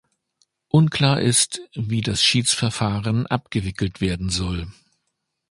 Unklar ist, wie das Schiedsverfahren abgewickelt werden soll.